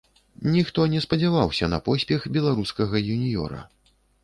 Ніхто не спадзяваўся на поспех беларускага юніёра.